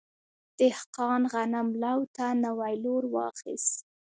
دهقان غنم لو ته نوی لور واخیست.